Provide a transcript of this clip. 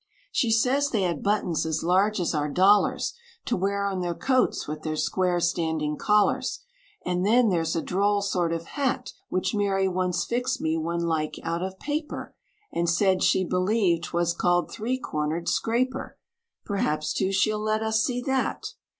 "She says they had buttons as large as our dollars, To wear on their coats with their square, standing collars; And then, there's a droll sort of hat, Which Mary once fixed me one like, out of paper, And said she believed 'twas called three cornered scraper; Perhaps, too, she'll let us see that.